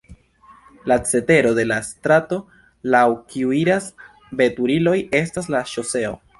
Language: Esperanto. La cetero de la strato, laŭ kiu iras veturiloj estas la ŝoseo.